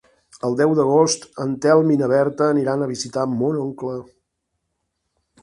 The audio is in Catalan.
El deu d'agost en Telm i na Berta aniran a visitar mon oncle.